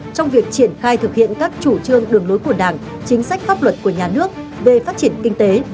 trong việc triển khai thực hiện các chủ trương đường lối của đảng chính sách pháp luật của nhà nước về phát triển kinh tế